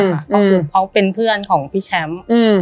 ก็คือเขาเป็นเพื่อนของพี่แชมป์